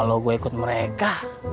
kalo gua ikut mereka